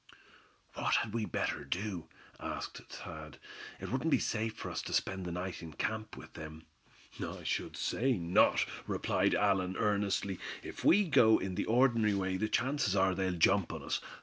"What had we better do?" asked Thad. "It wouldn't be safe for us to spend the night in camp with them." "I should say not," replied Allan earnestly. "If we go in the ordinary way the chances are they'll jump on us.